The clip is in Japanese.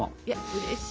うれしい。